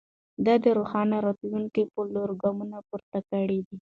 د روښانه راتلونکي په لور ګامونه پورته کړئ.